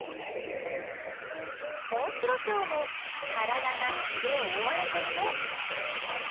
モンシロチョウもからだが毛でおおわれてるね。